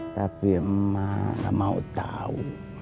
tapi emak mau tahu